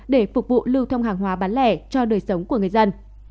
để phục vụ lưu thông hàng hóa bán lẻ cho đời sống của người dân